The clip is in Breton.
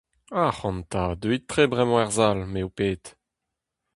Ac'hanta, deuit tre bremañ er sal, me ho ped.